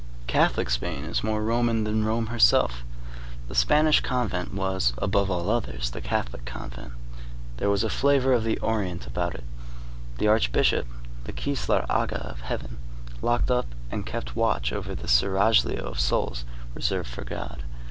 Catholic Spain is more Roman than Rome herself. The Spanish convent was, above all others, the Catholic convent. There was a flavor of the Orient about it. The archbishop, the kislar aga of heaven, locked up and kept watch over this seraglio of souls reserved for God.